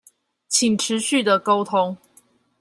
請持續的溝通